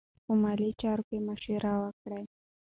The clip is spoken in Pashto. په مالي چارو کې مشوره وکړئ.